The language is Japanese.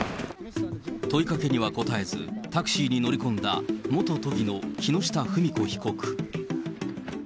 問いかけには答えず、タクシーに乗り込んだ元都議の木下富美子被告。